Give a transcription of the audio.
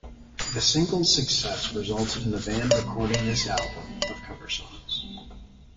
The single's success resulted in the band recording this album of cover songs.